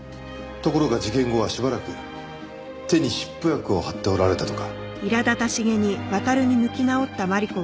ところが事件後はしばらく手に湿布薬を貼っておられたとか。